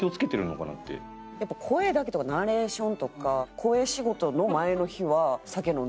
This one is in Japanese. やっぱ声だけとかナレーションとか。